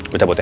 gue cabut ya